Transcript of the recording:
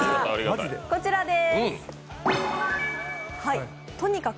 こちらです。